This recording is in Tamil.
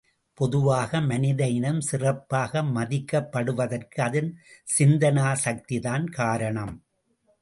பொதுவாக மனித இனம் சிறப்பாக மதிக்கப்படுவதற்கு அதன் சிந்தனா சக்திதான் காரணம்.